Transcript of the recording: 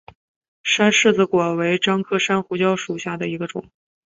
山柿子果为樟科山胡椒属下的一个种。